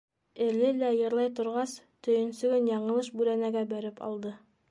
Эле лә йырлай торғас, төйөнсөгөн яңылыш бүрәнәгә бәреп алды.